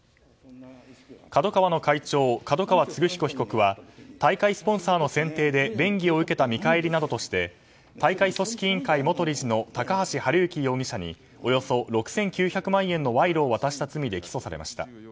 ＫＡＤＯＫＡＷＡの会長角川歴彦被告は大会スポンサーの選定で便宜を受けた見返りなどとして大会組織委員会元理事の高橋治之容疑者におよそ６９００万円の賄賂を渡した罪で起訴されました。